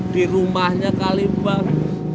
di rumahnya kali bang